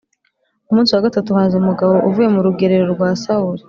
Ku munsi wa gatatu haza umugabo uvuye mu rugerero rwa Sawuli